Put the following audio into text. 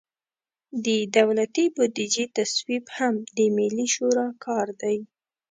د دولتي بودیجې تصویب هم د ملي شورا کار دی.